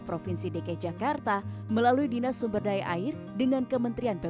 provinsi dki jakarta melalui dinas sumber daya air dengan kementerian